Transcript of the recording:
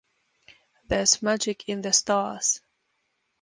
There's Magic in the Stars.